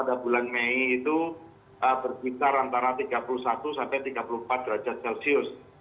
pada bulan mei itu berkisar antara tiga puluh satu sampai tiga puluh empat derajat celcius